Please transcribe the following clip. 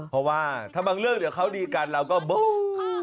เพราะว่าถ้าบางเรื่องเดี๋ยวเขาดีกันเราก็โบ้